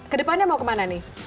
kedepannya mau kemana nih